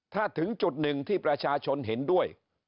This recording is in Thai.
ถ้าถึงจุดหนึ่งที่ประชาชนเห็นด้วย